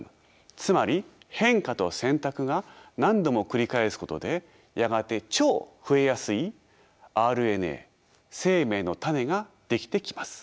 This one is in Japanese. つまり変化と選択が何度も繰り返すことでやがて超増えやすいＲＮＡ生命の種が出来てきます。